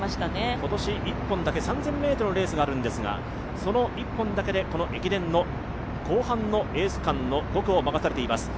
今年１本だけ、３０００ｍのレースがあるんですがその１本だけで駅伝の後半のエース区間の５区を任されています。